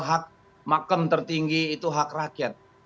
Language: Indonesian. hak makam tertinggi itu hak rakyat